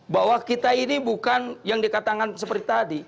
bahwa kita ini bukan yang dikatakan seperti tadi